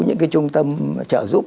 những cái trung tâm trợ giúp